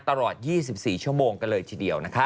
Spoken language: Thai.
ตลอด๒๔ชั่วโมงกันเลยทีเดียวนะคะ